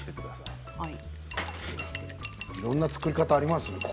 いろんな作り方ありますよね。